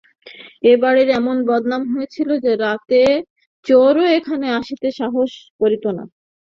এ বাড়ির এমন বদনাম ছিল যে, রাত্রে চোরও এখানে আসিতে সাহস করিত না।